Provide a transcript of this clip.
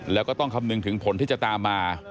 แล้วก็ต้องคำนึงถึงผลที่จะตามมา